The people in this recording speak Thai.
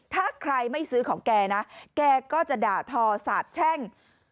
ถ้าใครไม่ซื้อของแกนะแกก็จะด่าทอสาบแช่ง